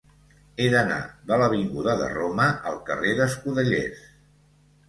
He d'anar de l'avinguda de Roma al carrer d'Escudellers.